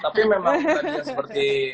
tapi memang tadi seperti